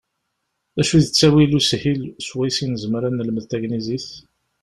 D acu i d ttawil ushil swayes i nezmer ad nelmed tagnizit?